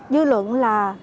dư luận là